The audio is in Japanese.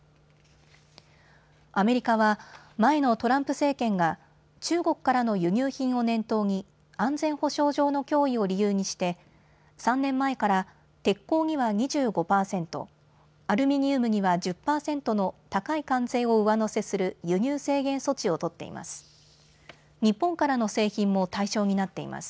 アメリカは前のトランプ政権が中国からの輸入品を念頭に安全保障上の脅威を理由にして３年前から鉄鋼には２５％、アルミニウムには１０％の高い関税を上乗せする輸入制限措置を取っています。